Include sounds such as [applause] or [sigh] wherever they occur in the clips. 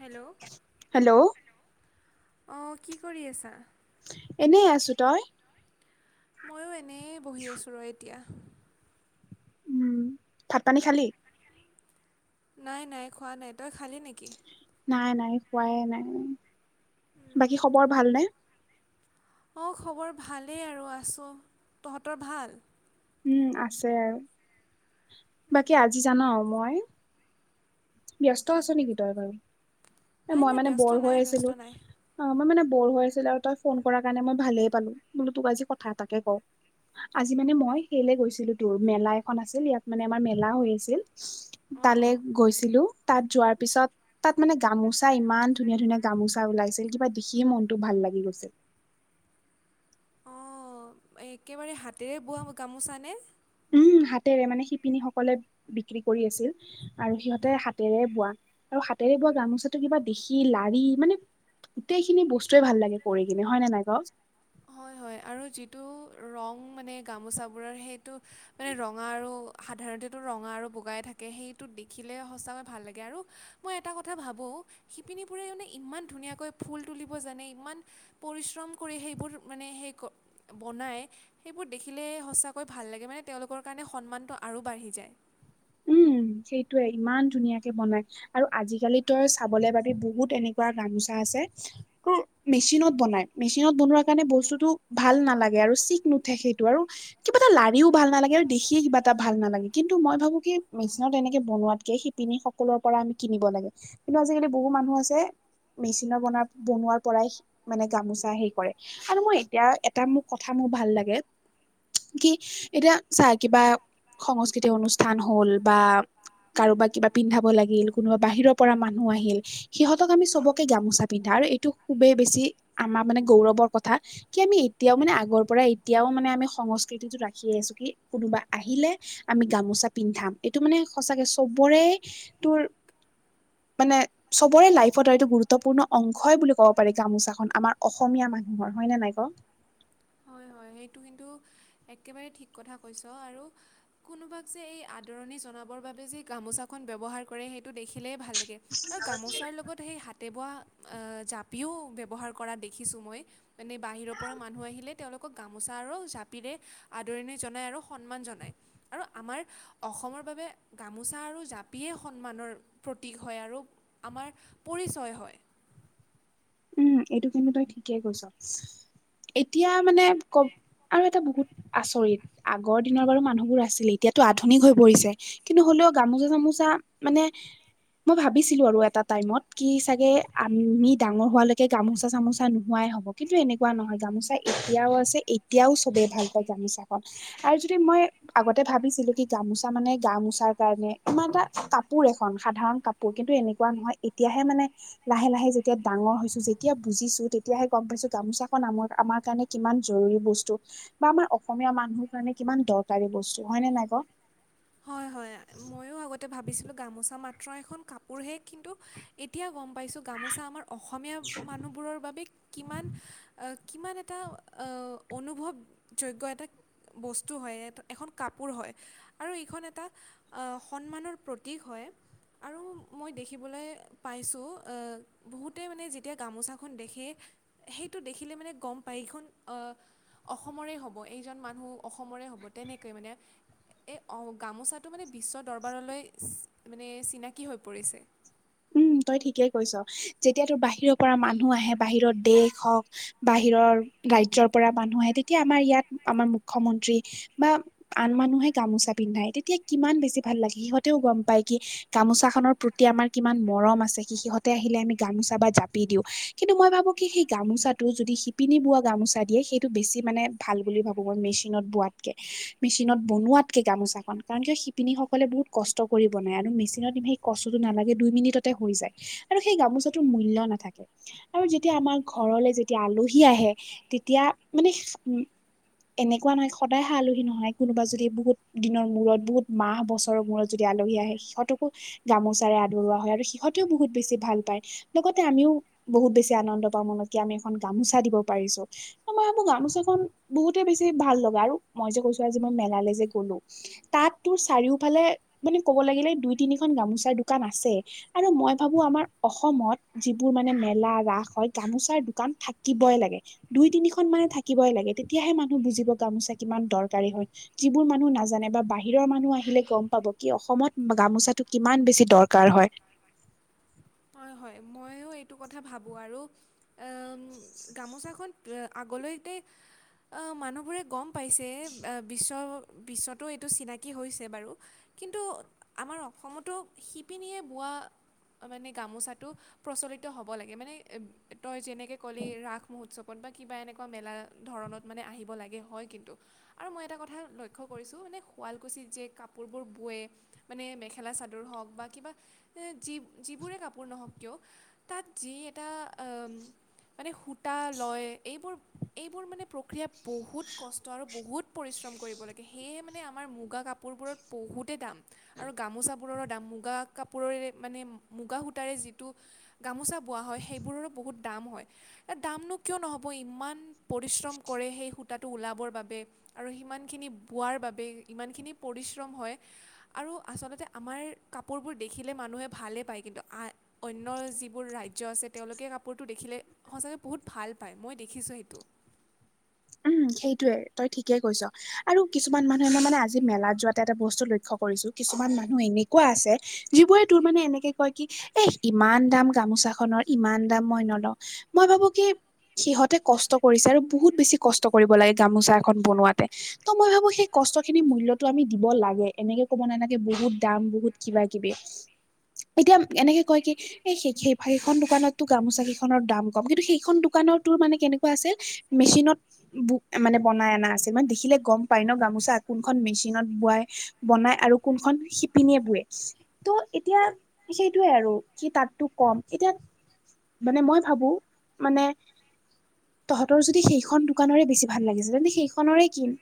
Hello, hello, অ', কি কৰি আছা? এনেই আছো, তই? ময়ো এনেই বহি আছোঁ ৰহ এতিয়া। উম, ভাত পানী খালি? নাই, নাই, খোৱা নাই, তই খালি নেকি? নাই নাই খোৱাই নাই, বাকী খবৰ ভাল নে? অ', খবৰ ভালেই আৰু আছোঁ, তহঁতৰ ভাল? উম, আছে আৰু বাকী আজি জান মই ব্যস্ত আছ নেকি তই বাৰু? এই নাই মই নাই মানে ব্যস্ত ব'ৰ হৈ নাই ব্যস্ত আছিলো নাই অ', মই মানে ব'ৰ হৈ আছিলো আৰু তই ফোন কৰাৰ কাৰণে মই ভালেই পালো, বোলো তোক আজি কথা এটাকে কও। আজি মানে মই সেইলে গৈছিলো তোৰ মেলা এখন আছিল, ইয়াত মানে আমাৰ মেলা হৈ আছিল। অঁ তালৈ অঁ গৈছিলোঁ‌, তাত যোৱাৰ পিছত তাত মানে গামোচা ইমান ধুনীয়া ধুনীয়া গামোচা ওলাইছিল কিবা দেখিয়েই মনটো ভাল লাগি গৈছিল। অ', একেবাৰে হাতেৰে বোৱা গামোচা নে? উম, হাতেৰে মানে শিপিনীসকলে বিক্ৰী কৰি আছিল। আৰু সিহঁতে হাতেৰে বোৱা আৰু হাতেৰে বোৱা গামোচাটো কিবা দেখি লাৰি মানে গোটেইখিনি বস্তুৱে ভাল লাগে কৰি কিনে হয়নে নাই ক? হয়, হয়, আৰু যিটো ৰং মানে গামোচাবোৰৰ সেইটো মানে ৰঙা আৰু সাধাৰণতেটো ৰঙা আৰু বগাই থাকে সেইটো দেখিলে সঁচাকৈ ভাল লাগে। আৰু মই এটা কথা ভাবোঁ শিপিনীবোৰে মানে ইমান ধুনীয়াকৈ ফুল তুলিব জানে ইমান পৰিশ্ৰম কৰি সেইবোৰ মানে সেই ক বনায়। সেইবোৰ দেখিলে সঁচাকৈ ভাল লাগে মানে তেওঁলোকৰ কাৰণে সন্মানটো আৰু বাঢ়ি যায়। উম, সেইটোয়েই ইমান ধুনীয়াকে বনাই। আৰু আজিকালি তই চাবলে বাবে বহুত এনেকুৱা গামোচা আছে। মেচিনত বনাই মেচিনত বনোৱাৰ কাৰণে বস্তুতটো ভাল নালাগে আৰু চিক নুঠে সেইটো আৰু কিবা এটা লাৰিও ভাল নালাগে আৰু দেখিয়ে কিবা এটা ভাল নালাগে। কিন্তু মই ভাবো কি মেচিনত এনেকে বনোৱাতকে শিপিনীসকলৰ পৰা আমি কিনিব লাগে। কিন্তু আজিকালি বহুত মানুহ আছে মেচিনৰ বনো বনোৱাৰ পৰাই শি মানে গামোচা হেৰি কৰে আৰু মোৰ এতিয়া এটা মোক কথা মোৰ ভাল লাগে। কি এতিয়া চা, কিবা সংস্কৃতিক অনুষ্ঠান হ'ল বা কাৰোবাক কিবা পিন্ধাব লাগিল কোনোবা বাহিৰৰ পৰা মানুহ আহিল। সিহঁতক আমি চবকে গামোচা পিন্ধাও আৰু এইটো খুবেই বেছি আমাৰ মানে গৌৰৱৰ কথা। কি আমি এতিয়াও মানে আগৰ পৰাই, এতিয়াও মানে আমি সংস্কৃতিটো ৰাখি আছো কি কোনোবা আহিলে আমি গামোচা পিন্ধাম। এইটো মানে সচাকৈ চবৰে তোৰ মানে চবৰে লাইফত এইটো গুৰুত্বপূৰ্ণ অংশই বুলি ক'ব পাৰি গামোচাখন আমাৰ অসমীয়া মানুহৰ হয়নে নাই ক? হয় হয়, সেইটো কিন্তু একেবাৰে ঠিক কথা কৈছ। আৰু কোনোবাক যে এই আদৰণি জনাবৰ বাবে যে গামোচাখন ব্যৱহাৰ কৰে সেইটো দেখিলেই ভাল লাগে। আৰু গামোচাৰ লগত সেই হাতে বোৱা আ জাপিও ব্যৱহাৰ কৰা দেখিছোঁ মই। মানে বাহিৰৰ পৰা মানুহ আহিলে তেওঁলোক ক গামোচা আৰু জাপিৰে আদৰণি জনায় আৰু সন্মান জনায়। আৰু আমাৰ অসমৰ বাবে গামোচা আৰু জাপিয়ে সন্মানৰ প্ৰতীক হয় আৰু আমাৰ পৰিচয় হয়। উম, এইটো কিন্তু তই ঠিকেই কৈছ। এতিয়া মানে ক আৰু এটা বহুত আচৰিত, আগৰ দিনৰ বাৰু মানুহবোৰ আছিলে এতিয়াতো আধুনিক হৈ পৰিছে। কিন্তু হ'লেও গামোচা চামোচা মানে মই ভাবিছিলো আৰু এটা টাইমত কি চাগে আমি ডাঙৰ হোৱালৈকে গামোচা চামোচা নোহোৱাই হ'ব। কিন্তু এনেকুৱা নহয় গামোচা এতিয়াও আছে এতিয়াও চবেই ভাল পায় গামোচাখন আৰু যদি মই আগতে ভাবিছিলো কি গামোচা মানে গা মোচাৰ কাৰণে ইমান এটা কাপোৰ এখন সাধাৰণ কাপ পোৰ কিন্তু এনেকুৱা নহয়। এতিয়াহে মানে লাহে লাহে যেতিয়া ডাঙৰ হৈছো যেতিয়া বুজিছো তেতিয়াহে গম পাইছো গামোচাখন আম আমাৰ কাৰণে কিমান জৰুৰী বস্তু। বা আমাৰ অসমীয়া মানুহৰ কাৰণে কিমান দৰকাৰী বস্তু হয় নে নাই ক? হয়, হয়, ময়ো আগতে ভাবিছিলোঁ গামোচা মাত্ৰ এখন কাপোৰহে, কিন্তু এতিয়া গম পাইছোঁ। গামোচা আমাৰ অসমীয়া মানুহবোৰৰ বাবে কিমান অ' কিমান এটা অ' অনুভৱ যোগ্য এটা বস্তু হয় এখন কাপোৰ হয়। আৰু এইখন এটা অ' সন্মানৰ প্ৰতীক হয়। আৰু মই দেখিবলৈ পাইছোঁ, বহুতে মানে যেতিয়া গামোচাখন দেখে। সেইটো দেখিলে মানে গ'ম পায় এইখন অ' অসমৰে হ'ব এইজন মানুহ অসমৰে হ'ব তেনেকে মানে। এই অ', গামোচাটো মানে বিশ্ব দৰবাৰলৈ চি মানে চিনাকী হৈ পৰিছে। উম, তই ঠিকেই কৈছো, যেতিয়া তোৰ বাহিৰৰ পৰা মানুহ আহে বাহিৰৰ দেশ হওক। বাহিৰৰ ৰাজ্যৰ পৰা মানুহ আহে তেতিয়া আমাৰ ইয়াত আমাৰ মুখ্যমন্ত্ৰী বা আন মানুহে গামোচা পিন্ধাই, তেতিয়া কিমান বেছি ভাল লাগে সিহঁতেও গ'ম পাই কি গামোচা খনৰ প্ৰতি আমাৰ কিমান মৰম আছে সি সিহঁতে আহিলে আমি গামোচা বা জাপি দিওঁ। কিন্তু মই ভাবো কি সেই গামোচাটো যদি শিপিনী বোৱা গামোচা দিয়ে সেইটো বেছি মানে ভাল বুলি ভাবোঁ মই মেচিনত বোৱাতকে। মেচিনত বনোৱাতকে গামোচাখন কাৰণ, কিয় শিপিনীসকলে বহুত কষ্ট কৰি বনায় আৰু মেচিনত সেই কষ্টটো নালাগে। দুই মিনিটতে হৈ যায় আৰু সেই গামোচাটোৰ মূল্য নাথাকে। আৰু যেতিয়া আমাৰ ঘৰলে যেতিয়া আলহী আহে তেতিয়া মানে এনেকুৱা নহয় সদায় আহা আলহী নহয়, কোনোবা যদি বহুত দিনৰ মূৰত বহুত মাহ বছৰৰ মূৰত যদি আলহী আহে সিহঁতকো গামোচাৰে আদৰোৱা হয় আৰু সিহঁতেও বহুত বেছি ভাল পায়। লগতে আমিও বহুত বেছি আনন্দ পাওঁ মনত কি আমি এখন গামোচা দিব পাৰিছো। মই ভাবো গামোচাখন বহুতে বেছি ভাল লগা আৰু মই যে, কৈছো আজি মই মেলালৈ যে গ'লো। তাত তোৰ চাৰিওফালে মানে ক'ব লাগিলে দুই তিনিখন গামোচাৰ দোকান আছে। আৰু মই ভাবো আমাৰ অসমত যিবোৰ মানে মেলা ৰাস হয়, গামোচাৰ দোকান থাকিবই লাগে। দুই তিনিখন মানে থাকিবই লাগে, তেতিয়াহে মানুহ বুজিব গামোচা কিমান দৰকাৰী হয়। যিবোৰ মানুহ নাজানে বা বাহিৰৰ মানুহ আহিলে গ'ম পাব কি অসমত গামোচাটো কিমান বেছি দৰকাৰ হয়। হয়, হয়, ময়ো এইটো কথা ভাবো আৰু অম, গামোচাখন আগলৈতে এ মানুহবোৰে গ'ম পাইছে বিশ্ব বিশ্বতো এইটো চিনাকি হৈছে বাৰু। কিন্তু আমাৰ অসমতো শিপিনীয়ে বোৱা মানে গামোচাটো। প্ৰচলিত হ'ব লাগে, মানে তই যেনেকৈ ক'লি ৰাস মহোৎসৱত বা কিবা এনেকুৱা মেলা ধৰণত মানে আহিব লাগে হয় কিন্তু। আৰু মই এটা কথা লক্ষ্য কৰিছোঁ মানে শুৱালকুছিত যে কাপোৰবোৰ বোৱে। মানে মেখেলা চাদৰ হওক বা কিবা যি যিবোৰে কাপোৰ কপোৰ নহওক কিয় তাত যি এটা‌ অম মানে সূতা লয়, এইবোৰ এইবোৰ মানে প্ৰক্ৰিয়াত বহুত কষ্ট আৰু বহুত পৰিশ্ৰম কৰিব লাগে, সেয়ে মানে আমাৰ মুগা কাপোৰবোৰত বহুতে দাম, আৰু গামোচাবোৰৰো দাম, মুগা কাপোৰেৰে মানে মুগা সূতা তাৰে যিটো গামোচা বোৱা হয় সেইবোৰৰো বহুত দাম হয়। এ দামনো কিয় নহ'ব ইমান পৰিশ্ৰম কৰে সেই সূতাটো ওলাবৰ বাবে। আৰু সিমানখিনি বোৱাৰ বাবে ইমানখিনি পৰিশ্ৰম হয়। আৰু আচলতে আমাৰ কাপোৰবোৰ দেখিলে মানুহে ভালেই পায় কিন্তু। আ অন্য যিবোৰ ৰাজ্য আছে তেওঁলোকে কাপোৰটো দেখিলে সঁচাকৈ বহুত ভাল পায়, মই দেখিছোঁ সেইটো। উম, সেইটোয়ে তই ঠিকেই কৈছ আৰু কিছুমান মানুহে মই মানে আজি মেলা যোৱাত এটা এটা বস্তু লক্ষ্য কৰিছো, কিছুমান মানুহ এনেকুৱা আছে যিবোৰে তোৰ মানে এনেকে কয় কি এহ ইমান দাম গামোচাখনৰ ইমান দাম মই নলওঁ। মই ভাবো কি সিহঁতে কষ্ট কৰিছে আৰু বহুত বেছি কষ্ট কৰিব লাগে গামোচা এখন বনোৱাতে। ত' মই ভাবো সেই কষ্ট খিনি মূল্যতো আমি দিব লাগে এনেকে ক'ব নালাগে বহুত দাম, বহুত কিবা কিবি। [inaudible] এতিয়া এনেকে কয় কি এই সেই-সেই ফা, সেইখন দোকানতো গামোচা কেইখনৰ দাম কম কিন্তু সেইখন দোকানত তোৰ মানে কেনেকুৱা আছে মেচিনত বুক মানে বনাই অনা আছে, মানে দেখিলে গম পাই ন' গামোচা কোনখন মেচিনত বোৱাই বনাই আৰু কোনখন শিপিনীয়ে বোৱে, ত' এতিয়া পিছে সেইটোয়ে আৰু, যি তাততো কম এতিয়া মানে মই ভাবো, মানে তহঁতৰ যদি সেইখন দো দোকানৰে বেছি ভাল লাগিছে, তেন্তে সেইখনৰে কিন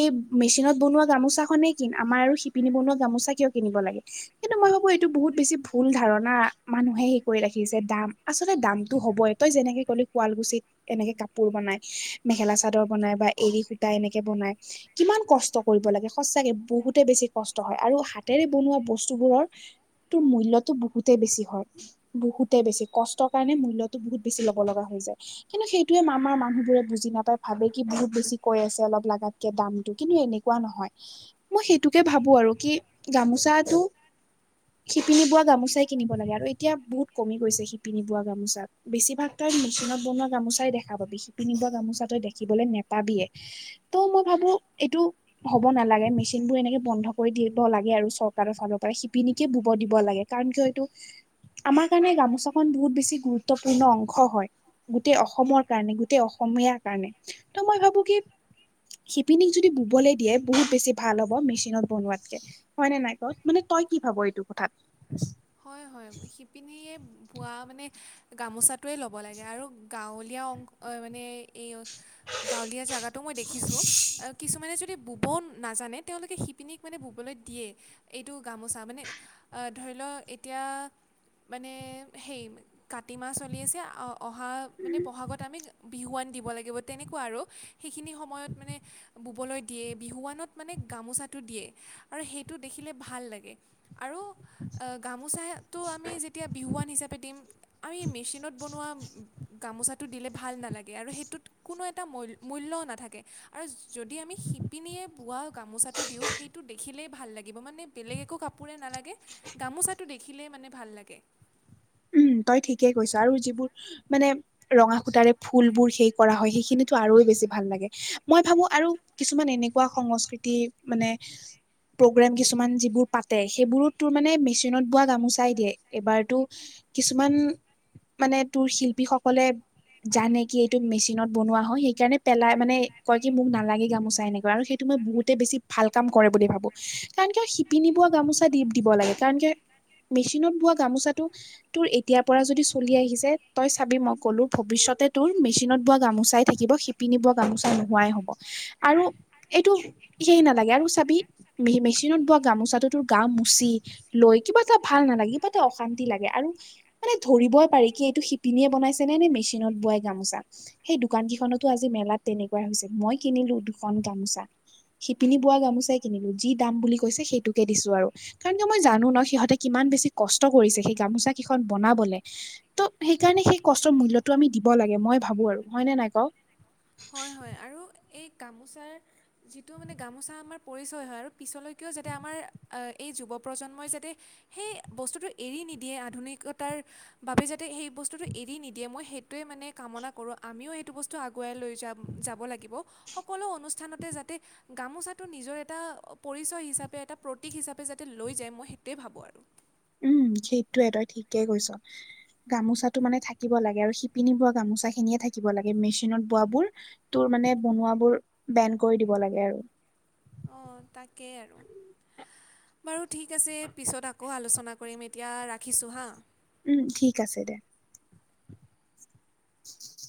এই মেচিনত বনোৱা গামোচাখনে কিন, আমাৰ আৰু শিপিনী বনোৱা গামোচা কিয় কিনিব লাগে। কিন্তু মই ভাবো এইটো বহুত বেছি ভুল ধাৰণা, মানুহে হেৰি কৰি ৰাখিছে দাম। আচলতে দাম টো হ'বই, তই যেনেকে ক'লেও শুৱালকুছিত এনেকে কাপোৰ বনাই। মেখেলা চাদৰ বনাই বা এড়ী সুতা এনেকে বনাই। কিমান কষ্ট কৰিব লাগে, সঁচাকে বহুতে বেছি কষ্ট হয় আৰু হাতেৰে বনোৱা বস্তুবোৰৰ তোৰ মূল্যতটো বহুতেই বেছি হয়। বহুতেই বেছি কষ্টৰ কাৰণে মূল্যতো বহুত বেছি ল'ব লগা হৈ যায়। কিন্তু সেইটোয়ে আমাৰ মানুহ বোৰে বুজি নাপাই, ভাবে কি বহুত বেছি কৈ আছে অলপ লগাতকে দামতটো কিন্তু এনেকুৱা নহয়। মই সেইটোকে ভাবো আৰু কি গামোচটো শিপিনী বোৱা গামোচাই কিনিব লাগে আৰু এতিয়া বহুত কমি গৈছে শিপিনী বোৱা গামোচা। বেছিভাগ তই মেচিনত বনোৱা গামোচাই দেখা পাবি, শিপিনীবোৱা গামোচা তই দেখিবলৈ নেপাবিয়ে। ত' মই ভাবো এইটো হ'ব নালাগে, মেচিন বোৰ এনেকে বন্ধ কৰি দিব লাগে আৰু চৰকাৰৰ ফালৰ পৰা, শিপিনীকে ব'ব দিব লাগে। কাৰণ কিয় এইটো আমাৰ কাৰণে গামোচাখন বহুত বেছি গুৰুত্বপূৰ্ণ অংশ হয়, গোটেই অসমৰ কাৰণে। গোটেই অসমীয়াৰ কাৰণে, ত' মই ভাবো কি শিপিনীক যদি ব'বলৈ দিয়ে বহুত বেছি ভাল হ'ব, মেচিনত বনোৱাতকে। হয় নে নাই ক, ত' মানে তই কি ভাব এইটো কথাত? হয়, হয় শিপিনীয়ে ব'ৱা মানে গামোচাটোৱেই ল'ব লাগে আৰু গাঁৱলীয়া অংশ, মানে এই এ গাঁৱলীয়া জাগাটো মই দেখিছোঁ, কিছুমানে যদি ব'ব নাজানে তেওঁলোকে শিপিনীক মানে ব'বলৈ দিয়ে, এইটো গামোচা মানে ধৰি লওক এতিয়া মানে, সেই কাতি মাহ চলি আছে, অ'। অহা মানে বহাগত আমি বিহুৱান দিব লাগিব, তেনেকুৱা আৰু সেইখিনি সময়ত মানে ব'বলৈ দিয়ে বিহুৱানত মানে গামোচাটো দিয়ে আৰু সেইটো দেখিলে ভাল লাগে। আৰু অ' গামোচাটো আমি যেতিয়া বিহুৱান হিচাপে দিম আৰু এ মেচিনত বনোৱা গামোচাটো দিলে ভাল নালাগে আৰু সেইটোত কোনো এটা মূল--মূল্যও নাথাকে আৰু যদি আমি শি পিনিয়ে বোৱা গামোচাটো দিওঁ, সেইটো দেখিলেই ভাল লাগিব মানে বেলেগ একো কাপোৰে নালাগে গামোচাটো দেখিলে মানে ভাল লাগে। উম, তই ঠিকে কৈছা আৰু যিবোৰ মানে ৰঙা সূতাৰে ফুলবোৰ সেই কৰা হয়, সেইখিনিতো আৰু বেছি ভাল লাগে। মই ভাবো আৰু কিছুমান এনেকুৱা সংস্কৃতি মানে প্ৰগ্ৰেম কিছুমান যিবোৰ পাতে, সেইবোৰত তোৰ মানে মিছ চিনত বোৱা গামোচাই দিয়ে, এবাৰতো কিছুমান মানে তোৰ শিল্পীসকলে জানে কি এইটো মেচিনত বনোৱা হসেইকাৰণে পেলাই মানে কয় কি মোক নালাগে গামোচা এনেকুৱা আৰু সেইটো মই বহুত তাকেবেছি ভাল কাম কৰে বুলি ভাবো, কাৰণ কি শিপিনী বোৱা গামোচা দি দিব লাগে কাৰন কে মেচিনত বোৱা গামোচাটো তোৰ এতিয়াৰ পৰা যদি চলি আহিছে তই চাবি মই ক'লো ভৱিষ্যতে তোৰ মেচিনত বোৱা গামোচাই থাকিব শিপ পিন্ধিব গামোচা নোহোৱাই হ'ব, আৰু এইটো সেয় নালাগে আৰু চাবি মেচিনত বোৱা গামোচাটো তোৰ গা মুচি লৈ কিবা এটা ভাল নালাগে কিবা এটা অশান্তি লাগে আৰু মানে ধৰিবই পাৰি কি এইটো শিপিনীয়ে বনাইছে নে' নে মেচিনত বোৱাই গামোচা। সেই দোকান কেইখনতো আজি মেলাত তেনেকুৱা হৈছে, মই কিনিলো দুখন গামোচা। শিপিনী বোৱা গামোচাই কিনিলো, যি দাম বুলি কৈছে সেইটোকে দিছো আৰু কাৰণ কিয় মই জানো ন' সিহঁতে কিমান বেছি কষ্ট কৰিছে, সেই গামোচা কেইখন বনাবলৈ। ঢৌ সেইকাৰণে সেই কষ্টৰ মূল্যতটো আমি দিব লাগে, মই ভাবো আৰু হয়নেে নাই ক? হয়-হয় আৰু এই গামোচাৰ যিটো মানে গামোচা আমাৰ পৰিচয় হয়, আৰু পিছলৈকেও যাতে আমাৰ এই যুৱ প্ৰজন্মই যাতে সেই বস্তুটো এৰি নিদিয়ে, আধুনিকতাৰ বাবে যাতে সেই বস্তুটো এৰি নিদিয়ে, মই সেই টোৱে মানে কামনা কৰোঁ, আমিও এইটো বস্তু আগুৱাই লৈ যাম যাব লাগিব। সকলো অনুষ্ঠানতে যাতে গামোচাটো নিজৰ এটা পৰিচয় হিচাপে, এটা প্ৰতীক হিচাপে লৈ যায় মই সেইটোৱে ভাবোঁ আৰু। উম সেইটয়ে তই ঠিকেই কৈছ। গামোচাতটো মানে থাকিব লাগে, আৰু শিপিনী বোৱা গামোচা খিনিয়ে থাকিব লাগে, মেচিনত বোৱ বোৰ তোৰ মানে বনোৱা বোৰ বেন কৰি দিব লাগে আৰু অ তাকেই আৰু বাৰু ঠিক আছে, পিছত আকৌ আলোচনা কৰিম এতিয়া ৰাখিছোঁ হা উম ঠিক আছে দে। [inaudible]